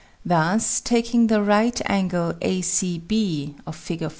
Thus taking the right angle ACB, Fig.